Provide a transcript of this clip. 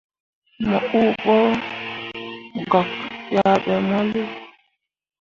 Mo uu ɓo gak yah ɓe mo lii.